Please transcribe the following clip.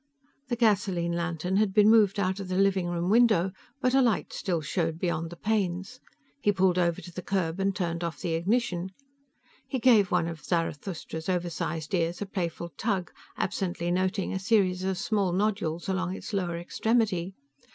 The gasoline lantern had been moved out of the living room window, but a light still showed beyond the panes. He pulled over to the curb and turned off the ignition. He gave one of Zarathustra's over sized ears a playful tug, absently noting a series of small nodules along its lower extremity.